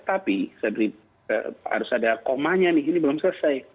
tapi harus ada komanya nih ini belum selesai